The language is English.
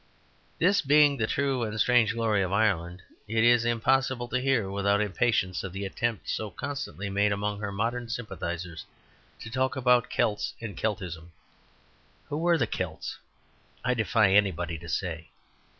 This being the true and strange glory of Ireland, it is impossible to hear without impatience of the attempt so constantly made among her modern sympathizers to talk about Celts and Celticism. Who were the Celts? I defy anybody to say.